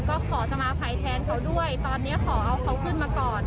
ก็ขอสมาภัยแทนเขาด้วยตอนนี้ขอเอาเขาขึ้นมาก่อน